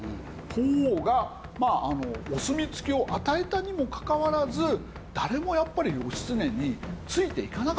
法皇がお墨付きを与えたにもかかわらず誰もやっぱり義経について行かなかったんですね。